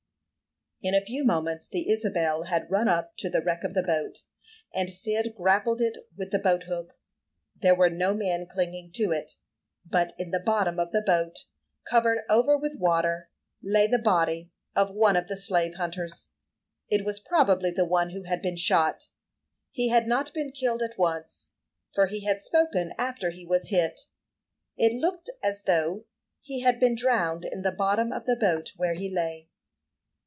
In a few moments the Isabel had run up to the wreck of the boat, and Cyd grappled it with the boat hook. There were no men clinging to it, but in the bottom of the boat, covered over with water, lay the body of one of the slave hunters. It was probably the one who had been shot. He had not been killed at once, for he had spoken after he was hit; it looked as though he had been drowned in the bottom of the boat where he lay.